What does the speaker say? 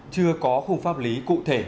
chưa có khung pháp lý cụ thể